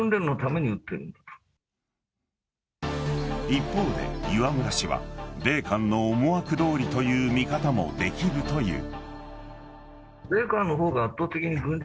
一方で磐村氏は米韓の思惑どおりという見方もできるという。